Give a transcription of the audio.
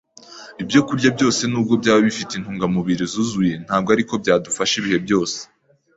Ibyokurya byose nubwo byaba bifite intungamubiri zuzuye ntabwo ari ko byadufasha ibihe byose.